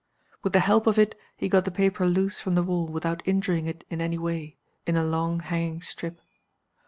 With the help of it he got the paper loose from the wall, without injuring it in any way, in a long hanging strip.